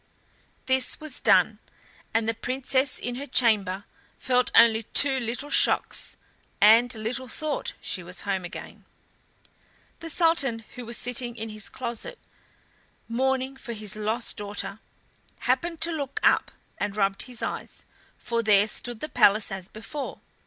This was done, and the Princess in her chamber felt only two little shocks, and little thought she was home again. The Sultan, who was sitting in his closet, mourning for his lost daughter, happened to look up, and rubbed his eyes, for there stood the palace as before!